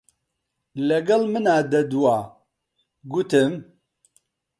لەگەڵ منا دەدوا، گوتم: